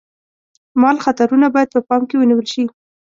مال خطرونه باید په پام کې ونیول شي.